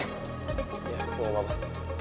iya gua aman